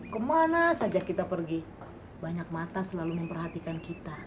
kemana saja kita pergi banyak mata selalu memperhatikan kita